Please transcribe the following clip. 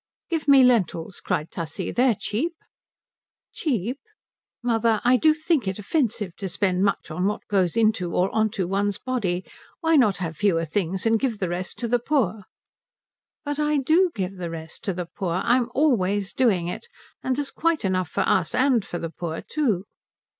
"Give me lentils," cried Tussie. "They're cheap." "Cheap?" "Mother, I do think it offensive to spend much on what goes into or onto one's body. Why not have fewer things, and give the rest to the poor?" "But I do give the rest to the poor; I'm always doing it. And there's quite enough for us and for the poor too."